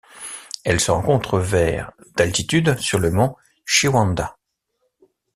Elle se rencontre vers d'altitude sur le mont Shiwanda.